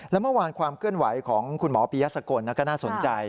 และเมื่อวานความเคลื่อนไหวของคุณหมอปียสกลก็น่าสนใจ